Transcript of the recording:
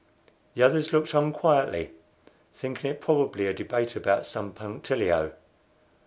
The others looked on quietly, thinking it probably a debate about some punctilio.